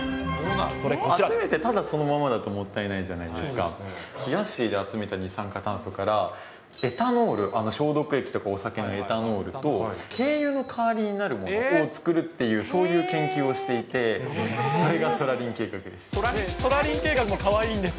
集めてただそのままだともったいないじゃないですか、ひやっしーで集めた二酸化炭素から、エタノール、消毒液とかお酒のエタノールと、軽油の代わりになるものを作るっていう、そういう研究をしていて、それがそらりん計画です。